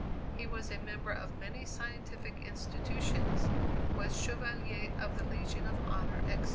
He was a member of many scientific institutions, was "Chevalier of the Legion of Honor," etc.